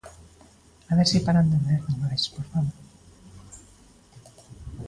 A ver se paran de ouvear dunha vez, por favor.